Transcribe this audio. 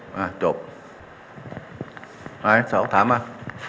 ใครเสาร์อาหารถามมา